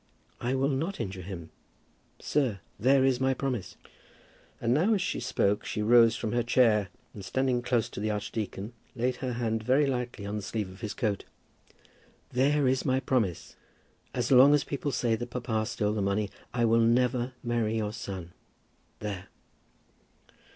"I will not injure him. Sir, there is my promise." And now as she spoke she rose from her chair, and standing close to the archdeacon, laid her hand very lightly on the sleeve of his coat. "There is my promise. As long as people say that papa stole the money, I will never marry your son. There."